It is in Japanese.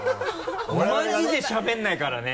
マジでしゃべらないからね。